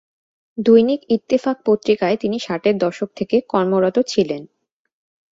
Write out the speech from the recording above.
দৈনিক ইত্তেফাক পত্রিকায় তিনি ষাটের দশক থেকে কর্মরত ছিলেন।